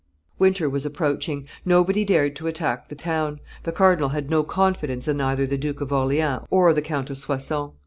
Winter was approaching; nobody dared to attack the town; the cardinal had no confidence in either the Duke of Orleans or the Count of Soissons.